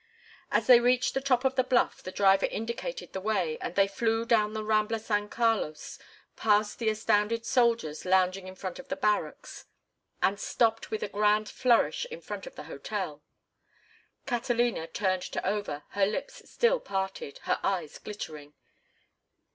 As they reached the top of the bluff the driver indicated the way, and they flew down the Rambla San Carlos, past the astounded soldiers lounging in front of the barracks, and stopped with a grand flourish in front of the hotel. Catalina turned to Over, her lips still parted, her eyes glittering.